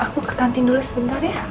aku ke kantin dulu sebentar ya